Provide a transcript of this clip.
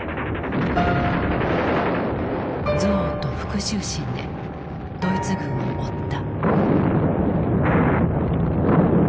「憎悪」と「復讐心」でドイツ軍を追った。